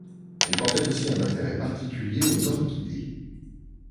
Il portait aussi un intérêt particulier aux Orchidées.